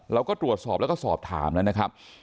เราก็ตรวจสอบแล้วก็ถามนะครับ